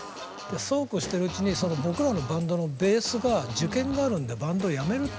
そうこうしてるうちに僕らのバンドのベースが受験があるんでバンドやめるって。